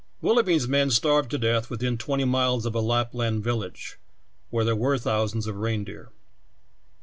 Wil loughby's men starved to death within twenty miles of a Lapland village, where there were thousands of reindeer.